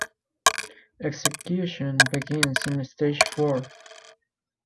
Execution begins in stage four.